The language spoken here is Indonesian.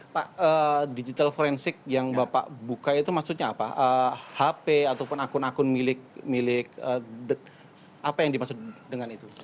pak digital forensik yang bapak buka itu maksudnya apa hp ataupun akun akun milik apa yang dimaksud dengan itu